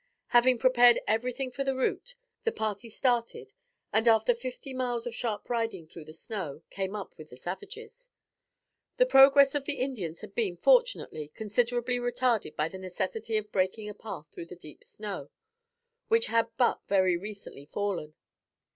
Having prepared everything for the route, the party started and after fifty miles of sharp riding through the snow, came up with the savages. The progress of the Indians had been, fortunately, considerably retarded by the necessity of breaking a path through the deep snow, which had but very recently fallen.